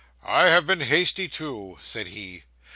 'I have been hasty, too,' said he.